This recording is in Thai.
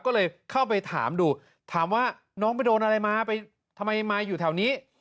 ก็เลยเข้าไปถามดูถามว่าน้องไปโดนอะไรมาไปทำไมมาอยู่แถวนี้